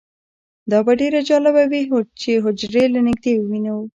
دا به ډیره جالبه وي چې حجرې له نږدې ووینو